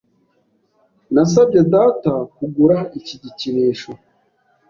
Nasabye data kugura iki gikinisho.